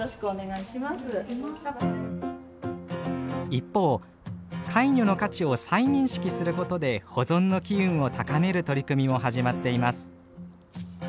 一方カイニョの価値を再認識することで保存の機運を高める取り組みも始まっています。